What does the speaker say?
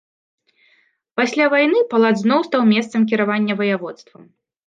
Пасля вайны палац зноў стаў месцам кіравання ваяводствам.